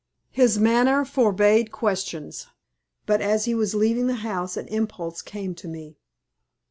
His manner forbade questions, but as he was leaving the house an impulse came to me.